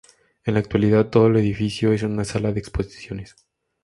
En la actualidad todo el edificio es una Sala de Exposiciones.